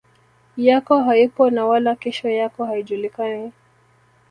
yako haipo na wala kesho yako haijulikani